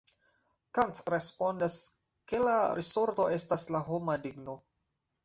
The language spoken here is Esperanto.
Kant respondas ke la risorto estas la homa digno.